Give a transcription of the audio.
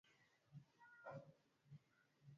ya miamba ya prehistoric na kufikiri ninafanya